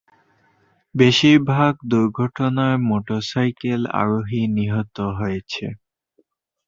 বেশিরভাগ দুর্ঘটনায় মোটরসাইকেল আরোহী নিহত হয়েছে।